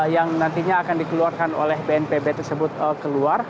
yang nantinya akan dikeluarkan oleh bnpb tersebut keluar